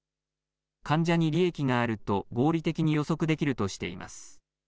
患者に利益があると合理的に予測できるとしています。